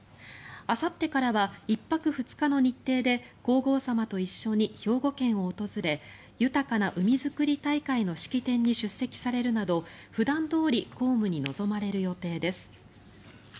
あさってからは１泊２日の日程で皇后さまと一緒に兵庫県を訪れ豊かな海づくり大会の式典に出席させるなど普段どおり公務に臨まれる予定です。